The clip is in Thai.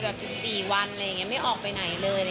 ๑๔วันอะไรอย่างนี้ไม่ออกไปไหนเลย